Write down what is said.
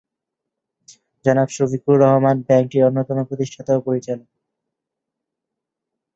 জনাব শফিকুর রহমান ব্যাংকটির অন্যতম প্রতিষ্ঠাতা ও পরিচালক।